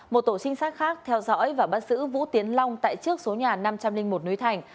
một tổ trinh sát khác theo dõi và bắt giữ vũ tiến long tại trước số nhà năm trăm linh một núi thành